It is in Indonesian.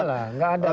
tidak ada lah